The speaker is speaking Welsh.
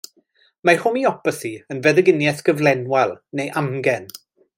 Mae homeopathi yn feddyginiaeth gyflenwol neu amgen.